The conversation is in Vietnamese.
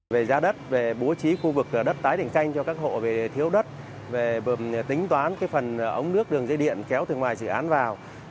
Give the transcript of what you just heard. về giá đất về bố trí khu vực đất tái định canh cho các hộ về thiếu đất về tính toán phần ống nước đường dây điện kéo từ ngoài dự án vào